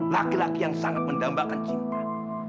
laki laki yang sangat mendambakan cinta